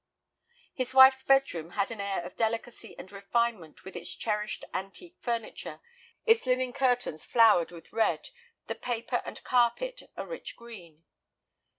His wife's bedroom had an air of delicacy and refinement with its cherished antique furniture, its linen curtains flowered with red, the paper and carpet a rich green.